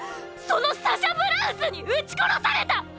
そのサシャ・ブラウスに撃ち殺された！！